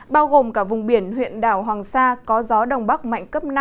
bao gồm cả vùng biển huyện đảo hoàng sa có gió đông bắc mạnh cấp năm